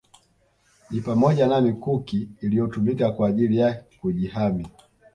Ni pamoja na mikuki iliyotumika kwa ajili ya kujihami